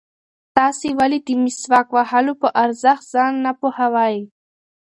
تاسې ولې د مسواک وهلو په ارزښت ځان نه پوهوئ؟